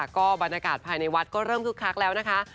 ก็บรรยากาศภายในวัดก็เริ่มคึกคักแล้วนะคะ